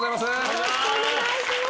よろしくお願いします。